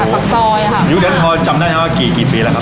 ตักซอยอ่ะครับอยู่เดี๋ยวพอจำได้แล้วว่ากี่กี่ปีแล้วครับ